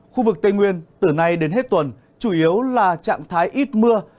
khu vực tây nguyên từ nay đến hết tuần chủ yếu là trạng thái ít mưa